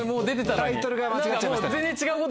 タイトルが間違っちゃいましたね。